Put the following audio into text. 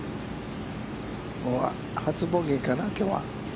初ボギーかな、きょうは。